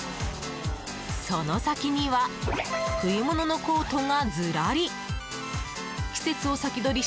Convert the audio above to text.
その先には冬物のコートがずらり。